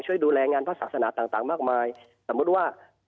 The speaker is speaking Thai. แสดงงานพระศาสนาต่างมากมายสมมุติว่า